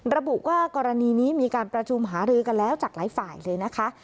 ระบุว่ากรณีนี้มีการประชุมหารือกันแล้วจากหลายฝ่ายเลยนะคะ